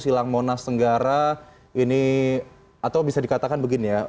silang monas tenggara ini atau bisa dikatakan begini ya